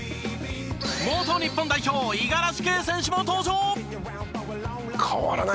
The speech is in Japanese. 元日本代表五十嵐圭選手も登場！